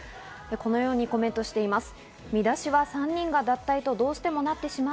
このようにコメントしています。